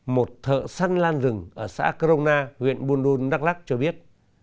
một thợ săn lan rừng ở xã corona huyện bundun đắk lắc cho biết